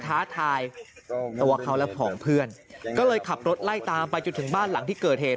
ท้าทายตัวเขาและผองเพื่อนก็เลยขับรถไล่ตามไปจนถึงบ้านหลังที่เกิดเหตุ